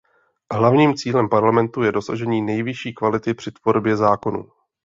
Hlavním cílem Parlamentu je dosažení nejvyšší kvality při tvorbě zákonů.